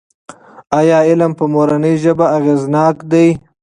ایا علم په مورنۍ ژبه اغېزناک دی؟